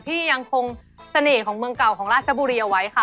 ที่ยังคงเสน่ห์ของเมืองเก่าของราชบุรีเอาไว้ค่ะ